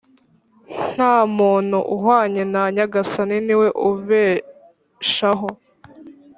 nta muntu uhwanye na nyagasani, ni we ubeshaho.